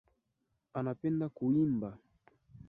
Anapenda kuimba.